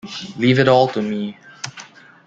Leave it all to me.